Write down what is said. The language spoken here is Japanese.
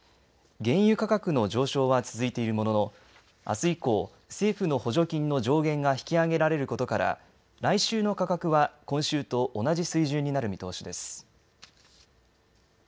原油価格の上昇は続いているもののあす以降、政府の補助金の上限が引き上げられることから来週の価格は今週と同じ水準になる見通しです。